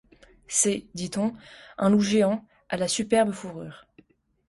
C’est, dit-on, un loup géant, à la superbe fourrure.